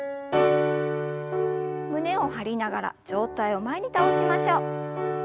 胸を張りながら上体を前に倒しましょう。